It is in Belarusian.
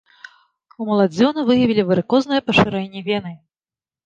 У маладзёна выявілі варыкознае пашырэнне вены.